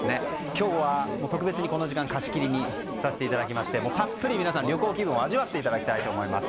今日は特別にこの時間を貸切にさせていただきたっぷり皆さん、旅行気分を味わっていただきたいと思います。